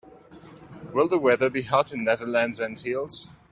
Will the weather be hot in Netherlands Antilles?